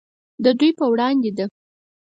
دا د دوی په وړاندې ده.